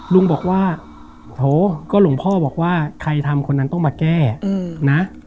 ลุงบอกว่าโถก็หลวงพ่อบอกว่าใครทำคนนั้นต้องมาแก้นะ